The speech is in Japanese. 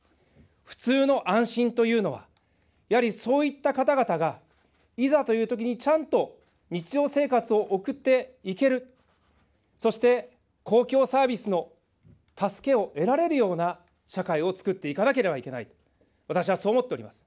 普通の安心というのは、やはりそういった方々が、いざというときにちゃんと日常生活を送っていける、そして公共サービスの助けを得られるような社会をつくっていかなければいけない、私はそう思っております。